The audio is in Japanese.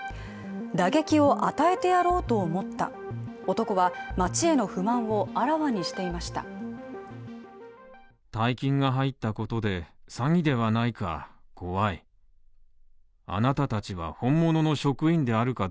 打撃を与えてやろうと思った男は、町への不満をあらわにしました。